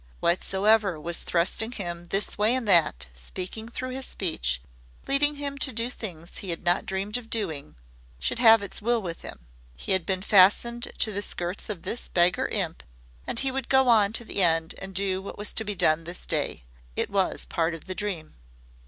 Whatsoever was thrusting him this way and that, speaking through his speech, leading him to do things he had not dreamed of doing, should have its will with him. He had been fastened to the skirts of this beggar imp and he would go on to the end and do what was to be done this day. It was part of the dream.